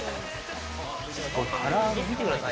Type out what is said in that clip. から揚げ、みてください。